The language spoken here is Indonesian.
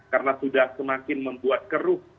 karena sudah semakin membuat keruh